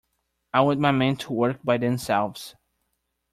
I want my men to work by themselves.